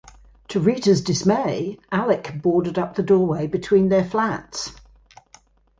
To Rita's dismay Alec boarded up the doorway between their flats.